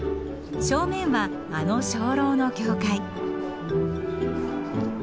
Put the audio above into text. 正面はあの鐘楼の教会。